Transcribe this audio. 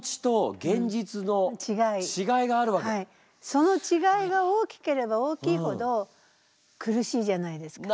その違いが大きければ大きいほど苦しいじゃないですか。